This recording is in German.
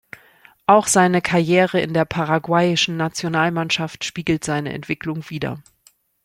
Auch seine Karriere in der paraguayischen Nationalmannschaft spiegelt seine Entwicklung wider.